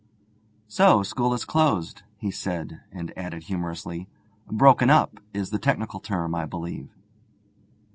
'So school is closed,' he said, and added humorously: '"Broken up" is the technical term, I believe.'